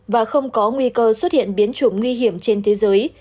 và không có nguy cơ xuất hiện biến chủng nguy hiểm trên thế giới